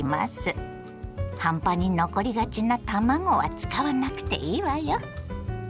半端に残りがちな卵は使わなくていいわよ。